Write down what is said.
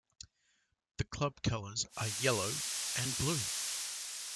The club colours are yellow and blue.